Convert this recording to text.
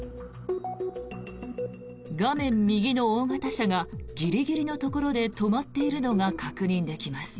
画面右の大型車がギリギリのところで止まっているのが確認できます。